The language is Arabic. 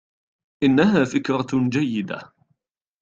إنها فكرة جيدة.